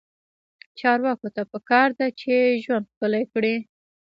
چارواکو ته پکار ده چې، ژوند ښکلی کړي.